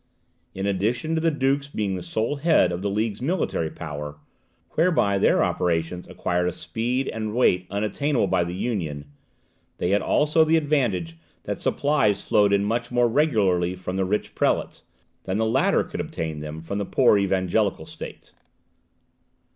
In addition to the duke's being the sole head of the League's military power, whereby their operations acquired a speed and weight unattainable by the Union, they had also the advantage that supplies flowed in much more regularly from the rich prelates, than the latter could obtain them from the poor evangelical states.